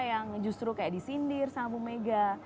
yang justru kayak disindir sambung mega